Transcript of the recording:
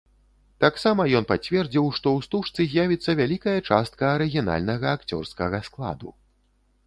Таксама ён пацвердзіў, што ў стужцы з'явіцца вялікая частка арыгінальнага акцёрскага складу.